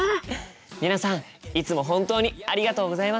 皆さんいつも本当にありがとうございます！